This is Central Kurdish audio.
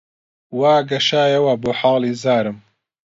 وا گەشایەوە بۆ حاڵی زارم